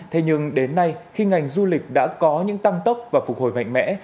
thế nhưng đến nay khi ngành du lịch đã có những tăng tốc và phục hồi mạnh mẽ